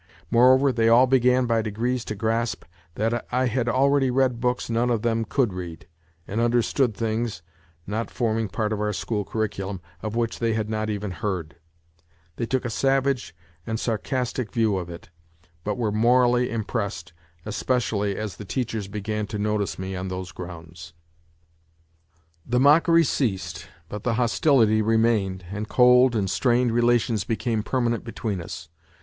More over, they all began by degrees to grasp that I had already read books none of them could read, and understood things (not forming part of our school curriculum) of which they had not evrii heard. They took a savage and sarcastic view of it, but were morally impressed, especially as the teachers began to notice me NOTES FROM UNDERGROUND 103 on those grounds. The mockery ceased, but the hostility re mained, and cold and strained relations became permanent between us.